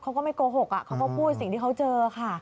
เขาก็ไม่โกหกเขาก็พูดสิ่งที่เขาเจอค่ะ